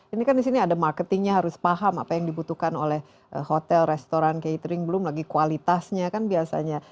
ini kan di sini ada marketingnya harus paham apa yang dibutuhkan oleh hotel restoran catering belum lagi kualitasnya kan biasanya